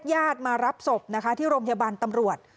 แยดมารับศพที่โรงพยาบาลตำรวจ